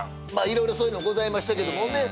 「色々そういうのございましたけどもね」